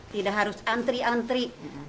tidak harus antri antri